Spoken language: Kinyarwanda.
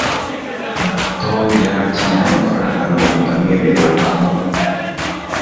tom yari akeneye amafaranga, nuko ndamwemerera kumuha